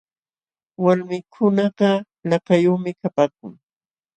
Walmikunakaq lakayuqmi kapaakun.